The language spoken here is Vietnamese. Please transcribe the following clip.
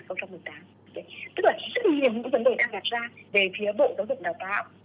tức là rất nhiều những vấn đề đang đặt ra về phía bộ giáo dục đào tạo